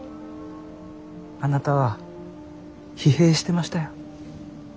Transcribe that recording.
あなたは疲弊してましたよ。